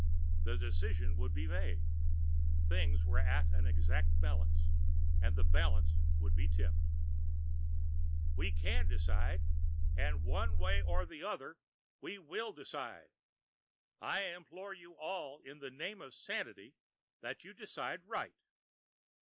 The decision would be made. Things were at an exact balance, and the balance would be tipped. "But we can decide. One way or the other, we will decide. I implore you all in the name of sanity that you decide right.